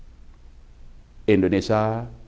tiga hal yang saya inginkan adalah